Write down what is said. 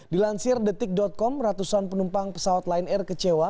dilansir detik com ratusan penumpang pesawat lion air kecewa